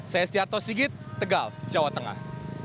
saya setiarto sigit tegal jawa tengah